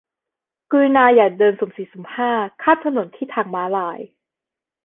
กรุณาอย่าเดินสุ่มสี่สุ่มห้า ข้ามถนนที่ทางม้าลาย